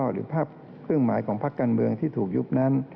หรือภาพเครื่องหมายของพักการเมืองที่ถูกยุบนั้น